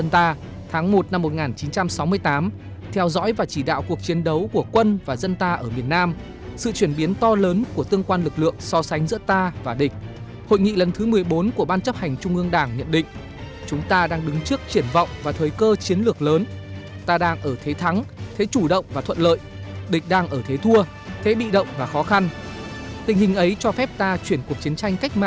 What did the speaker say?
tháng một năm một nghìn chín trăm sáu mươi tám hội nghị lần thứ một mươi ba của ban chấp hành trung ương đảng đã ra nghị quyết về đẩy mạnh đấu tranh ngoại giao chủ động tiến công địch phục vụ sự nghiệp chống dịch